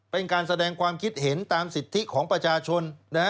เป็นการแสดงความคิดเห็นตามสิทธิของประชาชน